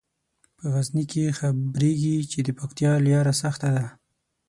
په غزني کې خبریږي چې د پکتیا لیاره سخته ده.